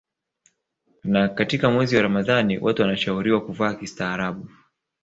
Na katika mwezi wa Ramadhani watu wanashauriwa kuvaa kistaarabu